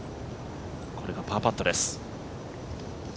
これがパーパットです。